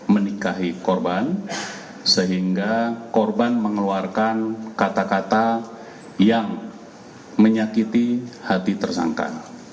menikahi korban sehingga korban mengeluarkan kata kata yang menyakiti hati tersangka